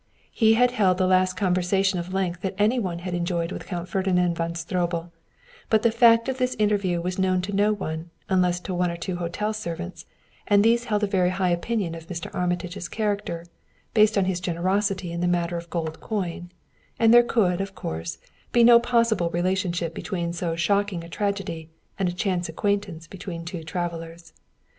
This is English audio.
He had held the last conversation of length that any one had enjoyed with Count Ferdinand von Stroebel, but the fact of this interview was known to no one, unless to one or two hotel servants, and these held a very high opinion of Mr. Armitage's character, based on his generosity in the matter of gold coin; and there could, of course, be no possible relationship between so shocking a tragedy and a chance acquaintance between two travelers.